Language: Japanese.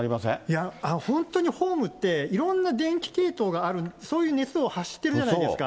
いや、本当にホームって、いろんな電気系統がある、そういう熱を発してるじゃないですか。